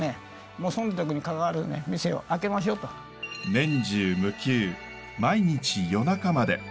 年中無休毎日夜中まで。